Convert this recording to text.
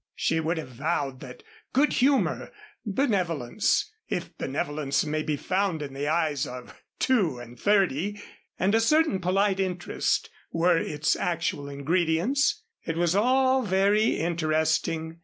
She would have vowed that good humor, benevolence (if benevolence may be found in the eyes of two and thirty), and a certain polite interest were its actual ingredients. It was all very interesting.